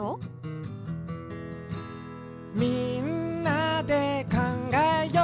「みんなでかんがえよう」